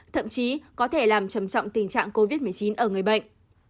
thậm chí có thể làm trầm trọng tình trạng covid một mươi chín ở người bệnh